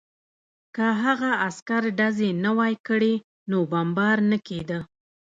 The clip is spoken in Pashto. که هغه عسکر ډزې نه وای کړې نو بمبار نه کېده